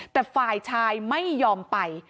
แต่ฝ่ายชายไม่ยอมไป